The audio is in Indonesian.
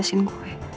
dia bebasin gue